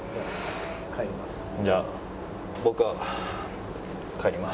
「じゃあ帰ります」。